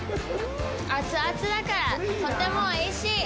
熱々だから、とてもおいしい！